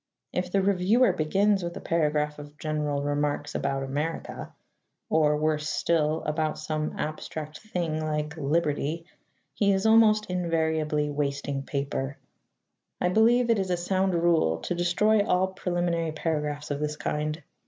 If the reviewer begins with a paragraph of general remarks about America or, worse still, about some abstract thing like liberty he is almost invariably wasting paper. I believe it is a sound rule to destroy all preliminary paragraphs of this kind.